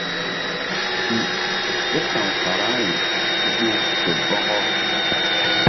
Pi ke ta̧w karaŋri Kuɗu ke Bɔkɔ.